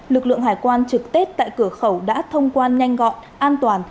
lực lượng hải quan trực tết tại cửa khẩu đã thông quan nhanh gọn an toàn